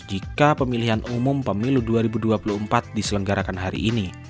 jika pemilihan umum pemilu dua ribu dua puluh empat diselenggarakan hari ini